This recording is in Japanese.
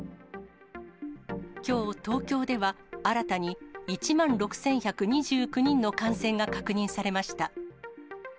きょう、東京では新たに１万６１２９人の感染が確認されました。